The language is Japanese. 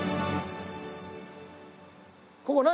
ここ何？